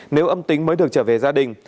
nếu âm tính mới được trở về gia đình